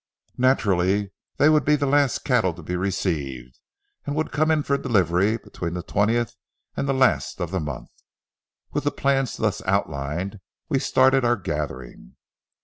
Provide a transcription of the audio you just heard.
Naturally they would be the last cattle to be received and would come in for delivery between the twentieth and the last of the month. With the plans thus outlined, we started our gathering.